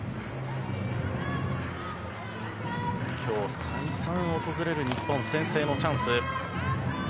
今日、再三訪れる日本先制のチャンス。